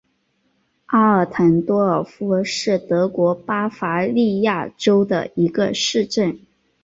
阿尔滕多尔夫是德国巴伐利亚州的一个市镇。